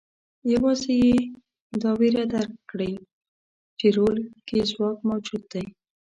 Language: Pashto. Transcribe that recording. یوازې یې دا وېره درک کړې چې رول کې ځواک موجود دی.